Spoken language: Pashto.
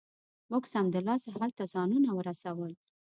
موږ سمدلاسه هلته ځانونه ورسول.